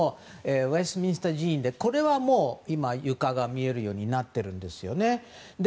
ウェストミンスター寺院でこれはもう今、床が見えるようになっているんですよね。